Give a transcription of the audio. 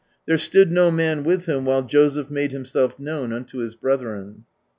"There stood no man 1 Joseph made himself known unto his brethren."